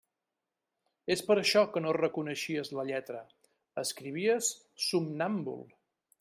És per això que no reconeixies la lletra: escrivies somnàmbul.